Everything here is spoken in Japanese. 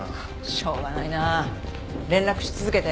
しょうがないなぁ。連絡し続けて。